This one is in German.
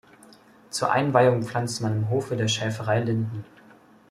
Zur Einweihung pflanzte man im Hofe der Schäferei Linden.